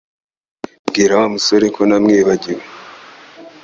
Bwira Wa musore ko ntamwibagiwe